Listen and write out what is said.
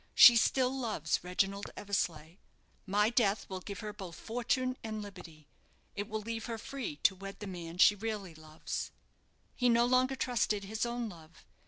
"She still loves Reginald Eversleigh. My death will give her both fortune and liberty; it will leave her free to wed the man she really loves." He no longer trusted his own love.